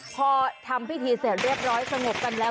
พอทำพิธีเสร็จเรียบร้อยสงบกันแล้ว